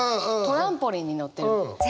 トランポリンに乗ってる。